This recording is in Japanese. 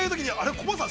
コバさん